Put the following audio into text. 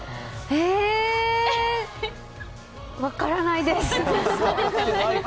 ええ。分からないです。